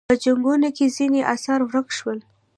په جنګونو کې ځینې اثار ورک شول